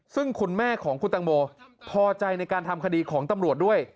ซึ่งคุณแม่ของคุณตังโมพอใจในการทำคดีของตำรวจด้วย